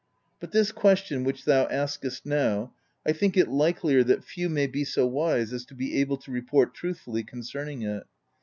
But this question which thou askest now: I think it likelier that few may be so wise as to be able to report truthfully concerning it.